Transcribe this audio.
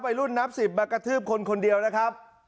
นับ๑๐มากระทืบคนคนเดียวนะครับ